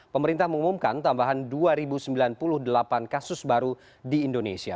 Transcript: pemerintah mengumumkan tambahan dua sembilan puluh delapan kasus baru di indonesia